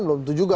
belum tentu juga